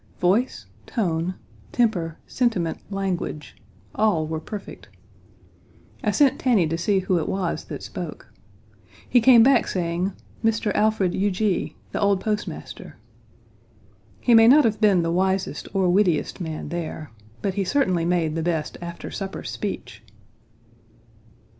Voice, tone, temper, sentiment, language, all were perfect. I sent Tanny to see who it was that spoke. He came back saying, "Mr. Alfred Huger, the old postmaster." He may not have been the wisest or wittiest man there, but he certainly made the best aftersupper speech.